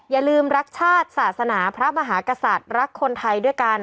อย่าลืมรักชาติศาสนาพระมหากษัตริย์รักคนไทยด้วยกัน